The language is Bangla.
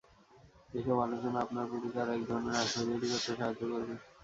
এসব আলোচনা আপনার প্রতি তার একধরনের আস্থা তৈরি করতে সাহায্য করবে।